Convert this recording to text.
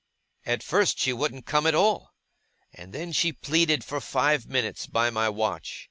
At first she wouldn't come at all; and then she pleaded for five minutes by my watch.